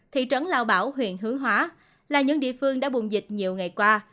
thị trấn lao bảo huyện hướng hóa là những địa phương đã bùng dịch nhiều ngày qua